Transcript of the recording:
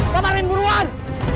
pak marin buruan